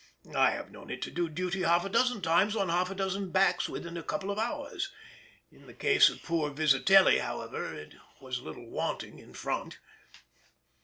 I have known it do duty half a dozen times on half a dozen backs within a couple of hours: in the case of poor Vizitelly, however, it was a little wanting in front.